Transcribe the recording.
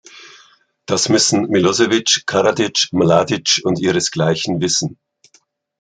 Das müssen Milosevic, Karadic, Mladic und ihresgleichen wissen.